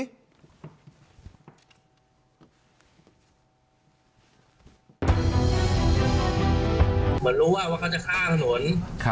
เหมือนรู้ว่าว่าเขาจะฆ่าถนนครับ